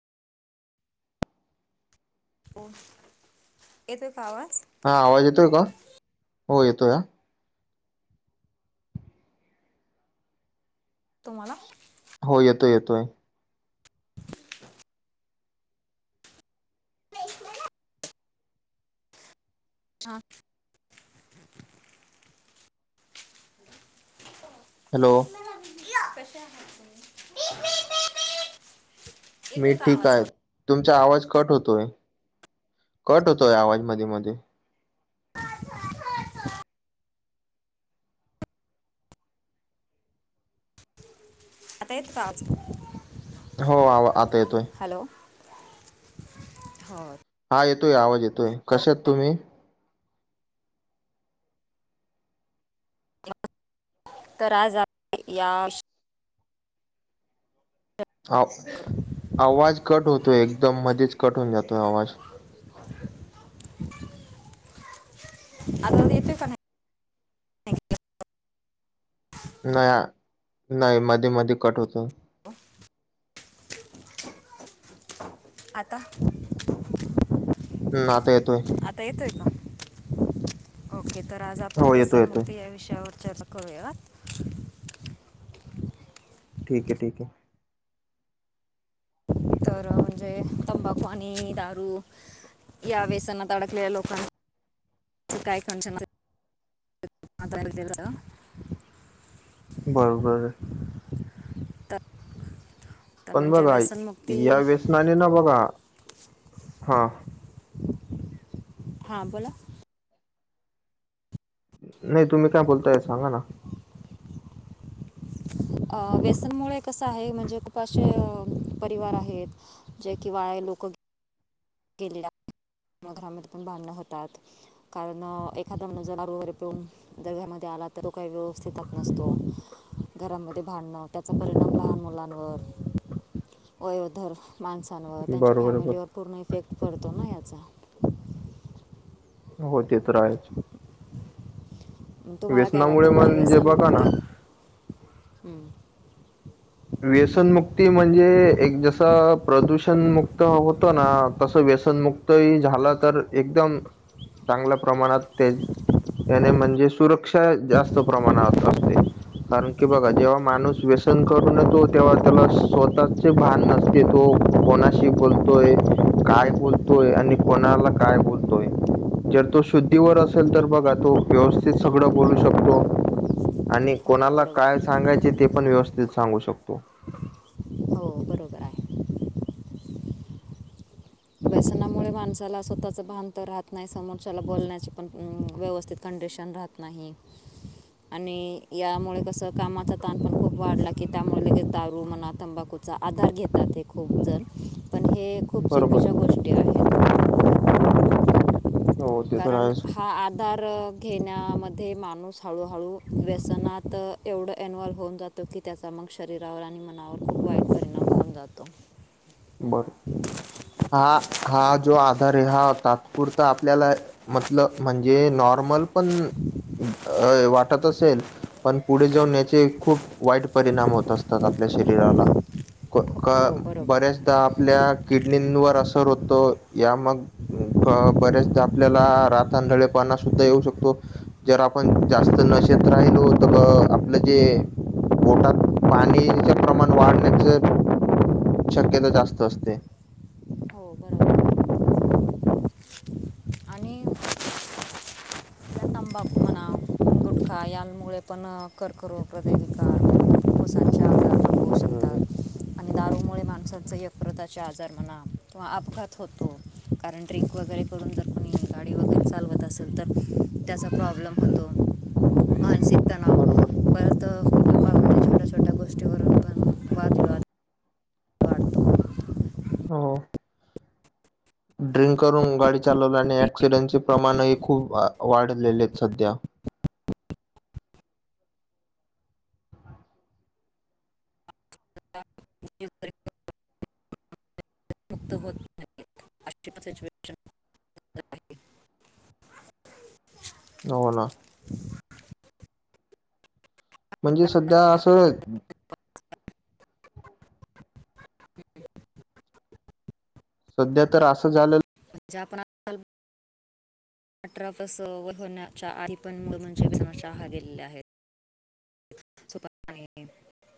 ओह येतोय का आवाज? हां आवाज येतोय का? हो येतोय आ. तुम्हाला हो येतोय येतोय. आ. [inaudible] हॅलो. कशा आहात तुम्ही? [inaudible] मी ठीक आवाज आहे. मला तुमचा आवाज कट होतोय कट होतोय आवाज मधी मधी. [inaudible] आता येतो का आवाज? हो आवा आता येतोय. हॅलो हो. हा येतोय आवाज येतोय कशा आहेत तुम्ही? तर आज आप या विष हो आवाज कट होतोय एकदम मध्येच कट होऊन जातोय आवाज. आवाज येतोय का नाही? ना नाही मध्येमध्ये कट होतोय. ओ. आता. हम आता येतोय. आता येतोय का? ओके तर आज आपण हो येतोय येतोय. व्यसनमुक्ती या विषयावर चर्चा करूयात. ठीके ठीके. तर म्हणजे तंबाखू आणि आणि दारू या व्यसनात अडकलेल्या लोकां काय खंचन [inaudible] बरोबर. त पण म्हणजे बघा व्यस या वेसनाने ना बघा हा. हा बोला. नाही तुम्ही काय बोलताय सांगा ना. अ व्यसनमुळे कसं आहे म्हणजे उपाशी परिवार आहेत. जे किंवा हे लोकं केलेल्या म घरामध्ये पण भांडण होतात. कारण एखादां म्हणजे दारू वगैरे पिऊन दर घ्यामध्ये आला तर तो काही व्यवस्थितच नसतो. घरामध्ये भांडणं त्याचा परिणाम लहान मुलांवर वयोधर माणसांवर त्यांच्या बरोबर बरोबर. फॅमिलीवर पूर्ण इफेक्ट पडतो ना याचा? हो ते तर आहेच. मग तुम्हाला काय व्यसनामुळे वाटतं म्हणजे बघा ना व्यसनमुक्ती हम्म. व्यसनमुक्ती म्हणजे एक जसं प्रदूषणमुक्त होत ना तसं व्यसनमुक् त ही झाला तर एकदम चांगल्या प्रमाणात ते त्याने म्हणजे सुरक्षा जास्त प्रमाणात असते. कारण की बघा जेव्हा माणूस व्यसन करून तो तेव्हा त्याला स्वतःचे भान नसते तो कोणाशी बोलतोय? काय बोलतोय आणि कोणाला काय बोलतोय? जर तो शुद्धीवर हम्म. असेल तर बघा तो व्यवस्थित सगड बोलू शकतो. आणि हो कोणाला बरोबर काय आहे सांगायचे ते पण व्यवस्थित सांगू शक तो. हो बरोबर आहे व्यसनामुळे माणसाला स्वतःचं भान तर राहत नाही समोरच्याला बोलण्याची पण व्यवस्थित कंडिशन राहत नाही. आणि यामुळे कसं कामाचा ताण पण खूप वाढला की त्यामुळे लगे दारू म्हणा तंबाखू चा आधार घेतात ते खूप जण पण हे खूप बरोबर. चुकीच्या गोष्टी आहेत. हो ते तर कारण आहेच हा आधार घेण्यामध्ये माणूस हळूहळू व्यसनात एवढं एन्वॉल्व्ह होऊन जातो की त्याचा मग शरीरावर आणि मनावर खूप वाईट परिणाम होऊन जातो. बर, हा हा जो आधार आहे हा तात्पुरता आपल्याला मतल म्हणजे नॉर्मल पण अ वाटत असेल पण पुढे जाऊन याचे खूप वाईट परिणाम होत असतात आपल्या शरीराला. हो बरोबर आहे बऱ्याचदा आपल्या किडनींवर असर होतो या मग बऱ्याचदा आपल्याला रात अधळेपणा सुद्धा येऊ शकतो. जर आपण जास्त नशेत राहिलो तर आपलं जे पोटात पाणीच प्रमाण वाढण्याचं जास्त असते. हो बरोबर. आणि या तंबाखू म्हणा गुटखा यांमुळे पण कर्करोग प्रदगिका मोसाचे आार. हम्म. माणसांच यकृताचे आजार म्हणा किंवा अपघात होतो. कारण ड्रिंक वगैरे करून जर कोणी गाडी वगैरे चालवत असेल तर त्याचा प्रॉब्लेम होतो. मानसिक तणाव बरोबर. परत कुटुंबामध्ये छोट्या छोट्या गोष्टीवरून पण वादविवाद वाढतो हो. ड्रिंक करून गाडी चालवल्याने ऍक्सिडेंटचे प्रमाणही खूप वाढलेले आहेत सध्या. [unintelligible] [inaudible] हो ना. म्हणजे सध्या असं [unintelligible] ह [unintelligible] सध्या तर असं झालेलं ज्या पण आपलं आपण [inaudible] अठरा पास वर होण्याच्या आधी पण मुल म्हणजे सहा गेलेले आहेत प [unintelligible]